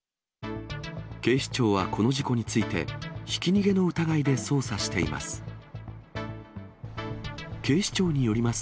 警視庁はこの事故について、ひき逃げの疑いで捜査しています。